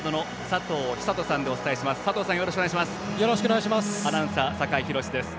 佐藤さん、よろしくお願いします。